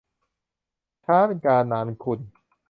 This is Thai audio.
ช้าเป็นการ นานเป็นคุณ